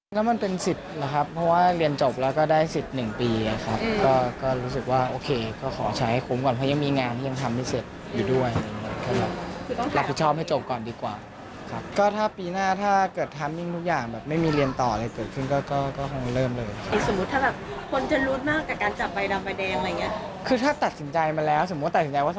คือถ้าถัดสินใจมาแล้วสมมุติว่าถัดสินใจว่าสมัคร